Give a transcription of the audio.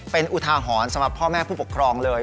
เป็นอุทาหรณ์สำหรับพ่อแม่ผู้ปกครองเลย